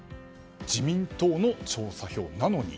自民党の調査票なのに？